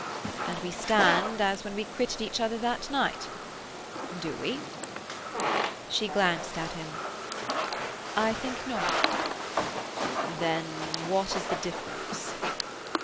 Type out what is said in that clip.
"And we stand as when we quitted each other that night—do we?" She glanced at him. "I think not." "Then what is the difference?"